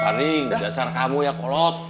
hari dasar kamu ya kolot